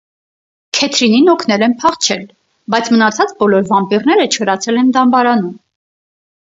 Քեթրինին օգնել են փախչել, բայց մնացած բոլոր վամպիրները չորացել են դամբարանում։